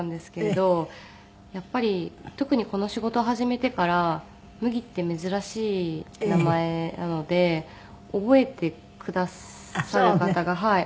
やっぱり特にこの仕事を始めてから麦って珍しい名前なので覚えてくださる方が覚えやすいのかな？